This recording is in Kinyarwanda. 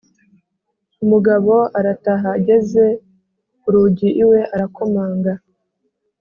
umugabo arataha ageze ku rugi iwe arakomanga.